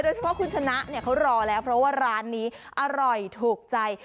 เฉพาะคุณชนะเนี่ยเขารอแล้วเพราะว่าร้านนี้อร่อยถูกใจ